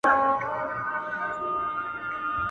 دا خواركۍ راپسي مه ږغـوه.